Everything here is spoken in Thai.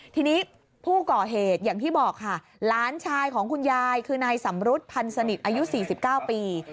ทีนี้ผู้ก่อเหตุอย่างที่บอกค่ะหลานชายของคุณยายคือนายสำรุษพันธ์สนิทอายุ๔๙ปี